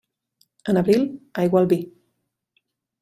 En abril, aigua al vi.